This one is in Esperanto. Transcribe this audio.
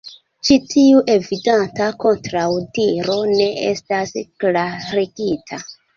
Ĉi tiu evidenta kontraŭdiro ne estas klarigita.